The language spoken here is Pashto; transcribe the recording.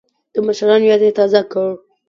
د مشرانو یاد یې تازه کړ.